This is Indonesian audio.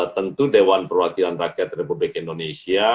tentu dewan perwakilan rakyat republik indonesia